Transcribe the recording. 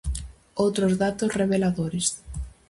Outros datos reveladores.